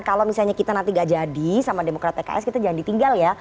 kalau misalnya kita nanti gak jadi sama demokrat pks kita jangan ditinggal ya